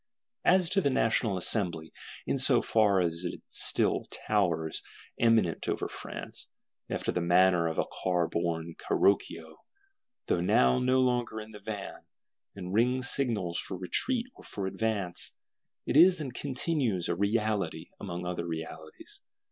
As to the National Assembly, in so far as it still towers eminent over France, after the manner of a car borne Carroccio, though now no longer in the van; and rings signals for retreat or for advance,—it is and continues a reality among other realities.